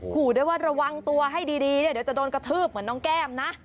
ขู่ด้วยว่าระวังตัวให้ดีเนี่ยเดี๋ยวจะโดนกระทืบเหมือนน้องแก้มนะ